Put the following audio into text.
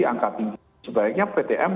angka tinggi sebaiknya ptm